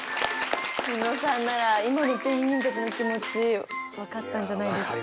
猪野さんなら今のペンギンたちの気持ち分かったんじゃないですか？